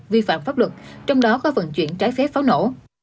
vi phạm pháp luật trong đó có vận chuyển trái phép pháo nổ